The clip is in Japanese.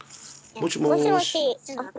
もしもし。